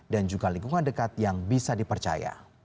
dan juga lingkungan dekat yang bisa dipercaya